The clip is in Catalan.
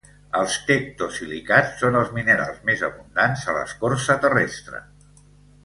Els tectosilicats són els minerals més abundants a l'escorça terrestre.